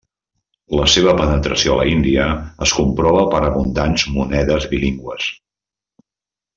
La seva penetració a l'Índia es comprova per abundants monedes bilingües.